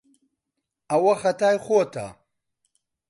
ئەوە خەتای خۆتە.